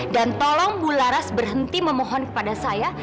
dan tolong bu laras berhenti memohon kepada saya